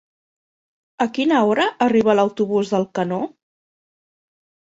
A quina hora arriba l'autobús d'Alcanó?